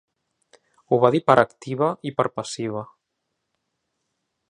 Ho va dir per activa i per passiva.